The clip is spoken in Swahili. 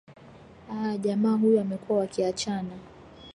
aa jamaa huyo amekuwa wakiachana